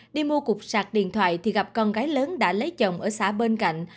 đi mua cục sạc điện thoại thì gặp con gái lớn đã lấy chồng ở xã bên cạnh